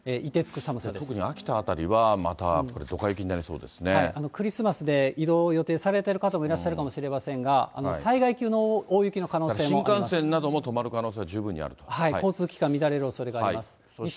特に秋田辺りは、クリスマスで移動を予定されている方もいらっしゃるかもしれませんが、災害級の大雪の可能性新幹線なども止ま交通機関、乱れるおそれがあります。